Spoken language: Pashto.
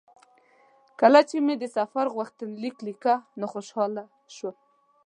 کله چې مې د سفر غوښتنلیک لیکه نو خوشاله شوم.